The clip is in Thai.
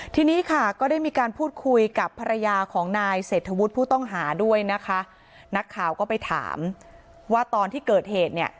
ทีนี้ค่ะก็ได้มีการพูดคุยกับภรรยาของนายเศรษฐวุฒิผู้ต้องหาด้วยนะคะนักข่าวก็ไปถามว่าตอนที่เกิดเหตุเนี่ย